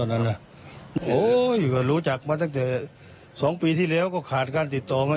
โอ๋อยู่กันแล้วรู้จักมาตั้งแต่๒ปีที่แล้วก็ขาดการติดต่อกัน